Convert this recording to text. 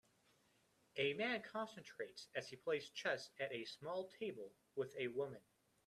A man concentrates as he plays chess at a small table with a woman.